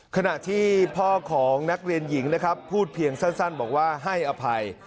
ขณะที่พ่อของนักเรียนหญิงนะครับพูดเพียงสั้นบอกว่าให้อภัย